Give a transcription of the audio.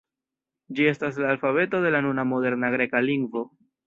Ĝi estas la alfabeto de la nuna moderna greka lingvo.